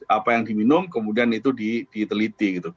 apa yang diminum kemudian itu diteliti